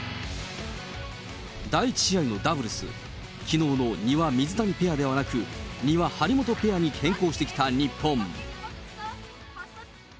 第１試合のダブルス、きのうの丹羽・水谷ペアではなく、丹羽・張本ペアに変更してきた日本。